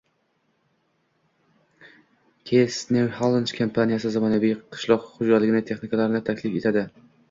Case New Holland kompaniyasi zamonaviy qishloq xo‘jaligi texnikalarini taklif etadi